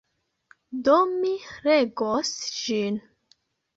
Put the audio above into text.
Do mi legos ĝin.